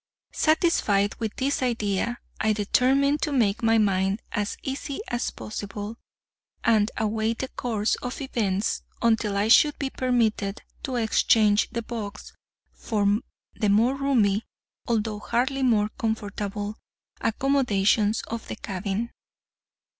Satisfied with this idea, I determined to make my mind as easy as possible, and await the course of events until I should be permitted to exchange the box for the more roomy, although hardly more comfortable, accommodations of the cabin.